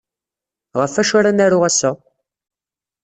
Ɣef wacu ara naru ass-a?